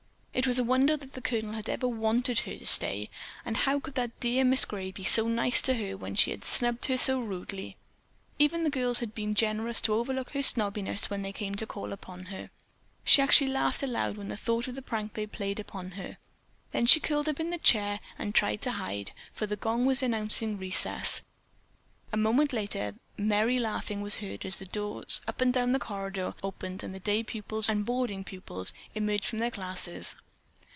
It was a wonder that the Colonel had even wanted her to stay; and how could that dear Mrs. Gray be so nice to her when she had snubbed her so rudely? Even the girls had been generous to overlook her snobbishness when they came to call upon her. She actually laughed aloud when she thought of the prank they had played upon her. Then she curled up in the chair and tried to hide, for the gong was announcing recess. A moment later merry laughter was heard as doors up and down the long corridor opened and the day pupils and boarding pupils emerged from their classes.